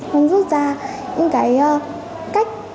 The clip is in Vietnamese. hãy giúp ra những cách